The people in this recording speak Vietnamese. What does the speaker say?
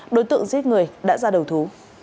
đối tượng giết người đã ra đầu thú